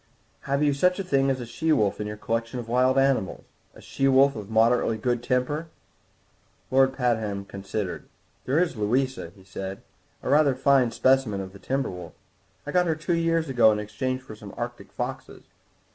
"Have you such a thing as a she wolf in your collection of wild animals? A she wolf of moderately good temper?" Lord Pabham considered. "There is Louisa," he said, "a rather fine specimen of the timber wolf. I got her two years ago in exchange for some Arctic foxes.